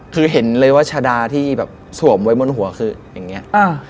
คือเห็นเลยว่าชาดาที่แบบสวมไว้บนหัวคืออย่างนี้